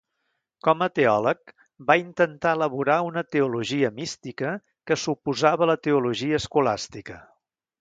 Com a teòleg, va intentar elaborar una teologia mística que s'oposava a la teologia escolàstica.